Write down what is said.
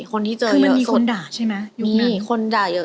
คือมันมีคนด่าใช่มั้ย